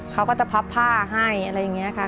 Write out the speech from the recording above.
เขาก็จะพับผ้าให้อะไรอย่างนี้ค่ะ